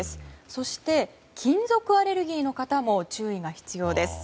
そして、金属アレルギーの方も注意が必要です。